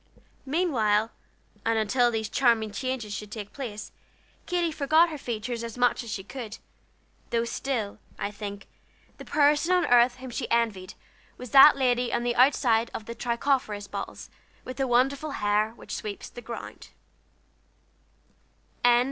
Meantime, and until these charming changes should take place, Katy forgot her features as much as she could, though still, I think, the person on earth whom she most envied was that lady on the outside of the Tricopherous bottles with the wonderful hair which sweeps the ground.